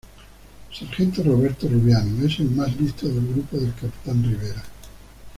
Sargento Roberto rubiano: es el más listo del grupo del capitán Rivera.